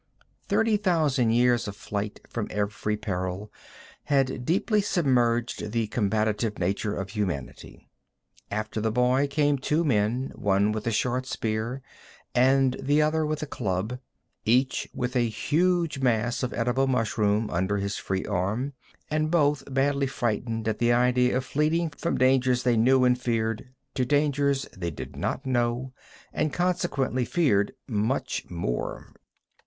Thirty thousand years of flight from every peril had deeply submerged the combative nature of humanity. After the boy came two men, one with a short spear, and the other with a club, each with a huge mass of edible mushroom under his free arm, and both badly frightened at the idea of fleeing from dangers they knew and feared to dangers they did not know and consequently feared much more.